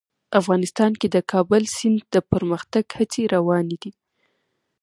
افغانستان کې د کابل سیند د پرمختګ هڅې روانې دي.